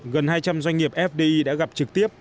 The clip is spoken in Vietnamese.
gần hai trăm linh doanh nghiệp fdi đã gặp trực tiếp